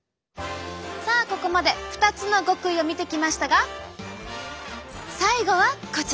さあここまで２つの極意を見てきましたが最後はこちら！